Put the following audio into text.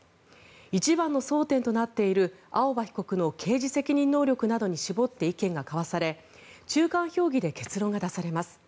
一番の争点となっている青葉被告の刑事責任能力などに絞って意見が交わされ、中間評議で結論が出されます。